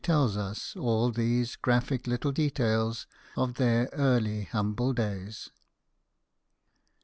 tells us all these graphic little details of their early humble days.